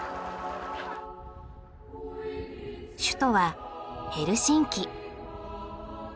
首都はヘルシンキ。